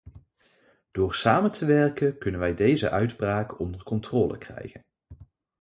Door samen te werken, kunnen we deze uitbraak onder controle krijgen.